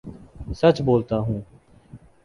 سچ بولتا ہوں